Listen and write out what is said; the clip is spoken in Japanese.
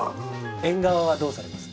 縁側はどうされます？